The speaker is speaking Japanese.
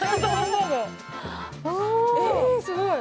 すごい。